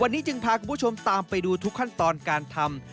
วันนี้จึงพาคุณผู้ชมตามไปดูทุกขั้นตอนการทำ